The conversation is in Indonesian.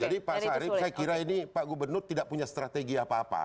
jadi pak sarip saya kira ini pak gubernur tidak punya strategi apa apa